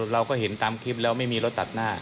เราก็เห็นตามคลิปแล้วไม่มีรถตัดหน้า